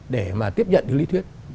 để mà tiếp nhận những lý thuyết